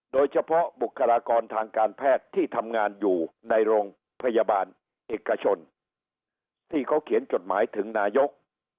โดยเฉพาะบุคลากรทางการแพทย์ที่ทำงานอยู่ในโรงพยาบาลเอกชนที่เขาเขียนจดหมายถึงนายก